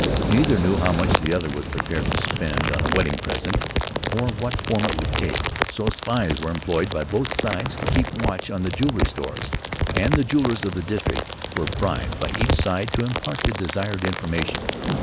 Neither knew how much the other was prepared to spend on a wedding present, or what form it would take; so spies were employed by both sides to keep watch on the jewelry stores, and the jewelers of the district were bribed by each side to impart the desired information.